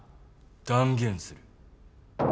断言する。